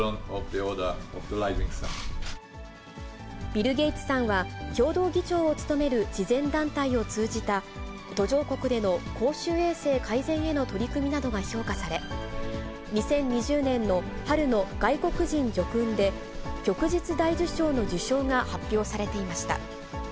ビル・ゲイツさんは共同議長を務める慈善団体を通じた途上国での公衆衛生改善への取り組みなどが評価され、２０２０年の春の外国人叙勲で、旭日大綬章の受章が発表されていました。